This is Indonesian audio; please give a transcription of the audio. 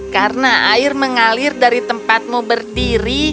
karena air mengalir dari tempatmu berdiri